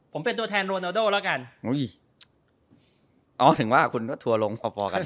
ผมเป็นตัวแทนโรนาโดแล้วกันอุ้ยอ๋อถึงว่าคุณก็ทัวร์ลงพอพอกัน